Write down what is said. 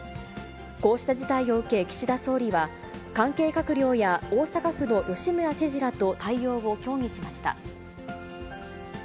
こうした事態を受け、岸田総理は関係閣僚や大阪府の吉村知事らと対応を協議しました。